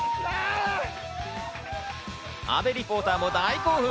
阿部リポーターも大興奮！